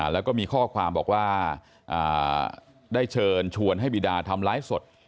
แล้วก็มีข้อความบอกว่าได้เชิญชวนให้บีดาทำไลฟ์สด